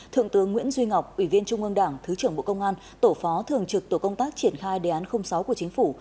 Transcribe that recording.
thượng tướng nguyễn duy ngọc ủy viên trung ương đảng thứ trưởng bộ công an tổ phó thường trực tổ công tác triển khai đề án sáu của chính phủ